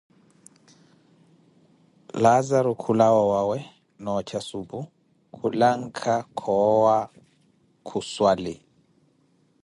Laazaru khulawa owawe, noocha supu, khu lanka koowa khu swali.